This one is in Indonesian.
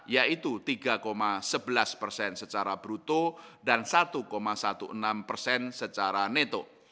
yaitu tiga sebelas persen secara bruto dan satu enam belas persen secara neto